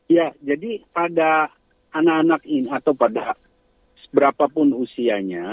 ya jadi pada anak anak ini atau pada berapapun usianya